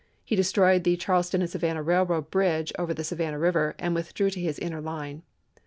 He destroyed the Charles ton and Savannah Railroad bridge over the Savan nah River and withdrew to his inner line.